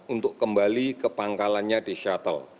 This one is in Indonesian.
untuk kembali ke indonesia